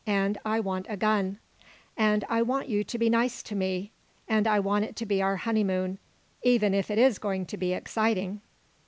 And I want a gun. And I want you to be nice to me, and I want it to be our honeymoon even if it is going to be exciting!"